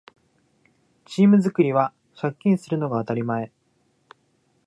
チーム作りは借金するのが当たり前